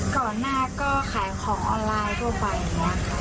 ก่อนหน้าก็ขายของออนไลน์ทั่วไปนะคะ